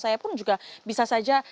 saya pun juga bisa saja